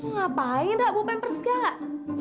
ngapain raku pampers gak